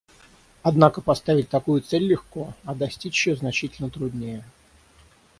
Однако поставить такую цель легко, а достичь ее значительно труднее.